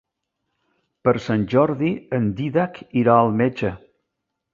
Per Sant Jordi en Dídac irà al metge.